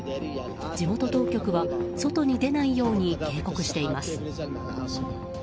地元当局は外に出ないように警告しています。